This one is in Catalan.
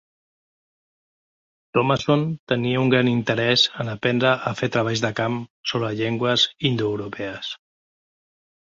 Thomason tenia un gran interès en aprendre a fer treballs de camp sobre llengües indoeuropees.